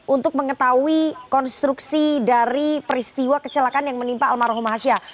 untuk mengetahui konstruksi dari peristiwa kecelakaan yang menimpa almarhumahasya